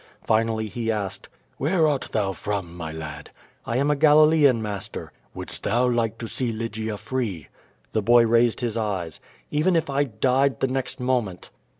Finally he asked: "Where art thou from, my lad?" "I am a Galilean, master." *'Wouldst thou like to see Lygia free?^* The boy raised his eyes. ^T5ven if I died the next moment."